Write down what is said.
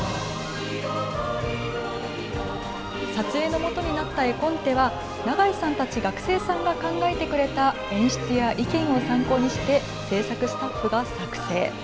撮影のもとになった絵コンテは長井さんたち、学生さんが考えてくれた演出や意見を参考にして、制作スタッフが作成。